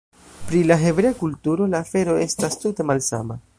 Pri la hebrea kulturo, la afero estas tute malsama.